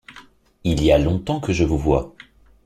Il y a longtemps que je vous vois.